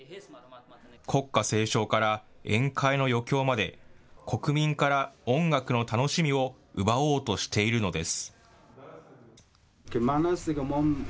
国歌斉唱から宴会の余興まで、国民から音楽の楽しみを奪おうとしているのです。